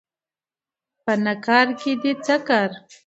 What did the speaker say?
په نه کارکې دې څه کار